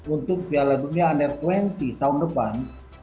untuk piala dunia under dua puluh tahun depan